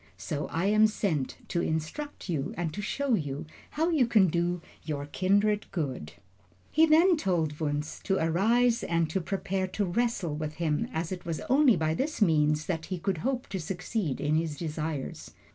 So I am sent to instruct you and to show you how you can do your kindred good." He then told Wunzh to arise and to prepare to wrestle with him, as it was only by this means that he could hope to succeed in his desires.